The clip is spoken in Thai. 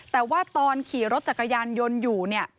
แต่ว่าตอนขี่รถจักรยานยนต์อยู่เนี่ย